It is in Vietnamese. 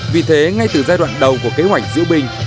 vì thế ngay từ giai đoạn đầu của kế hoạch diệu bình